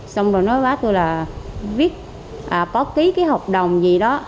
xong rồi nó báo tôi là viết có ký cái hợp đồng gì đó